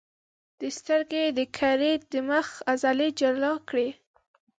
د سترګې د کرې د مخ عضلې جلا کړئ.